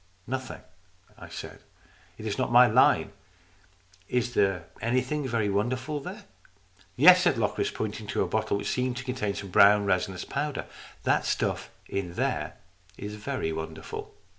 " Nothing," I said. " It is not in my line. Is there anything very wonderful there ?" "Yes," said Locris, pointing to a bottle which seemed to contain some brown resinous powder. " That stuff in there is very wonderful."